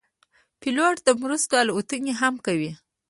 پیلوټ د مرستو الوتنې هم کوي.